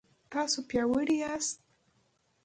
تاسو پیاوړي یاست